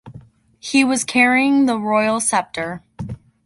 He was carrying the royal scepter.